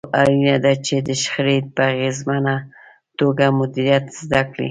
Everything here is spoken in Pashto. نو اړينه ده چې د شخړې په اغېزمنه توګه مديريت زده کړئ.